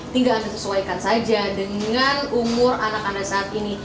tinggal anda sesuaikan saja dengan umur anak anda saat ini